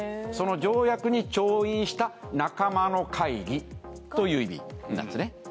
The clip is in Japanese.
その条約に調印した仲間の会議という意味なんですね。